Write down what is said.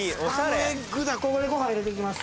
ここでご飯入れていきます。